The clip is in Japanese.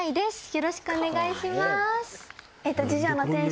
よろしくお願いします。